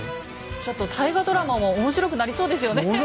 ちょっと大河ドラマも面白くなりそうですよね。